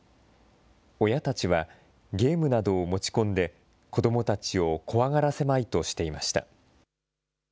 親たちは、ゲームなどを持ち込んで、子どもたちを怖がらせまいとしていました。